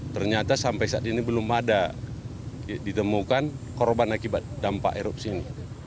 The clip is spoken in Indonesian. ternyata sampai saat ini belum ada ditemukan korban akibat dampak erupsi ini